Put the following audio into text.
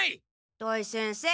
土井先生。